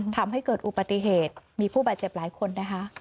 ทำให้เกิดอุบัติเหตุมีผู้บาดเจ็บหลายคนนะคะ